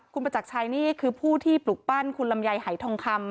คุณประจักรชัยนี่คือผู้ที่ปลุกปั้นคุณลำไยหายทองคำ